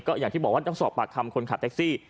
อย่างที่บอกว่าต้องสอบปากคำคนขับแท็กซี่